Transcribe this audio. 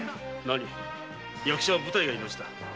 役者は舞台が命だ。